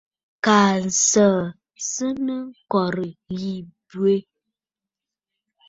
Kaa nsəə sɨ nɨ kɔ̀rə̀ yì bwɛ.